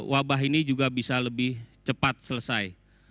wabah ini juga bisa lebih cepat selesai